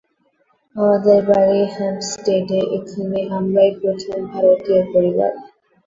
আমাদের বাড়ি হ্যাঁম্পস্টেডে, এখানে আমরাই প্রথম ভারতীয় পরিবার।